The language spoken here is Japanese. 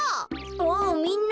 ああみんな。